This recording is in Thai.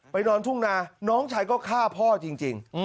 นอนทุ่งนาน้องชายก็ฆ่าพ่อจริง